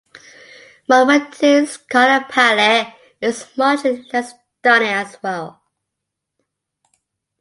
Malfatti's color palette is much less stunning as well.